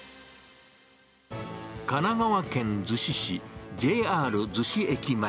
神奈川県逗子市、ＪＲ逗子駅前。